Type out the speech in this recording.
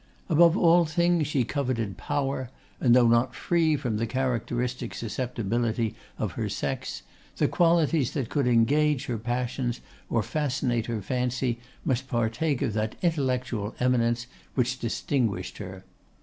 Above all things she coveted power; and though not free from the characteristic susceptibility of her sex, the qualities that could engage her passions or fascinate her fancy must partake of that intellectual eminence which distinguished her.